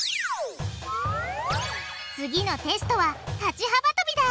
次のテストは立ち幅とびだ！